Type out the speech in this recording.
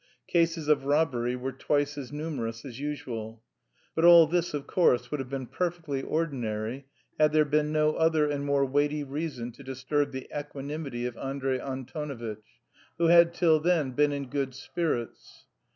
Cases of robbery were twice as numerous as usual. But all this, of course, would have been perfectly ordinary had there been no other and more weighty reasons to disturb the equanimity of Andrey Antonovitch, who had till then been in good spirits.